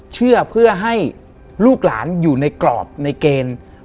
เชื่อเพื่อให้ลูกหลานอยู่ในกรอบในเกณฑ์